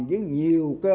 với nhiều người